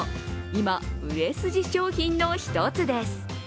今、売れ筋商品の１つです。